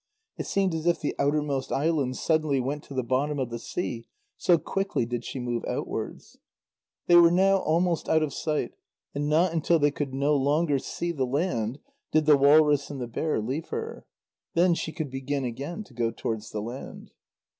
It seemed as if the outermost islands suddenly went to the bottom of the sea, so quickly did she move outwards. They were now almost out of sight, and not until they could no longer see the land did the walrus and the bear leave her. Then she could begin again to go towards the land.